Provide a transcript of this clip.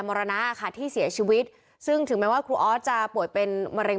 มรณะค่ะที่เสียชีวิตซึ่งถึงแม้ว่าครูออสจะป่วยเป็นมะเร็ง